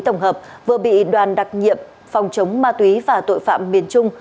tổng hợp vừa bị đoàn đặc nhiệm phòng chống ma túy và tội phạm miền trung